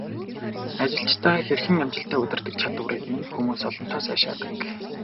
Ажилчдаа хэрхэн амжилттай удирддаг чадварыг минь хүмүүс олонтаа сайшаадаг.